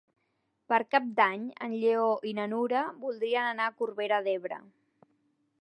Per Cap d'Any en Lleó i na Nura voldrien anar a Corbera d'Ebre.